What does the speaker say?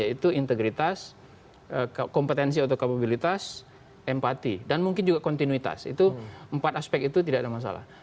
yaitu integritas kompetensi atau kapabilitas empati dan mungkin juga kontinuitas itu empat aspek itu tidak ada masalah